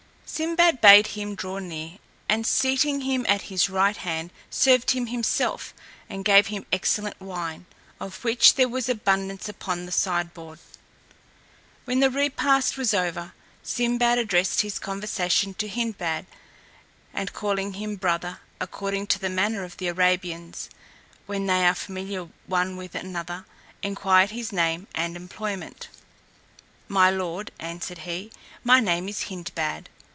Sinbad bade him draw near, and seating him at his right hand, served him himself, and gave him excellent wine, of which there was abundance upon the sideboard. When the repast was over, Sinbad addressed his conversation to Hindbad; and calling him brother, according to the manner of the Arabians, when they are familiar one with another, enquired his name and employment. "My lord," answered he, "my name is Hindbad."